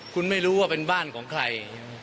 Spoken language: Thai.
คุณไม่รู้ว่าเป็นบ้านของใคร